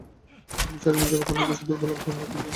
আমি চারদিন যাবৎ অনেক বেশি দুর্বল এবং খাবার খেলেও অরুচি হয়।